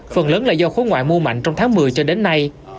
phần lớn là do khối ngoại mua mạnh trong tháng một mươi cho đến nay